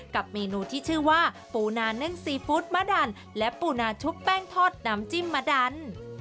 กับเมนูที่ชื่อว่าปูนานึ่งซีฟู้ดมะดันและปูนาชุบแป้งทอดน้ำจิ้มมะดัน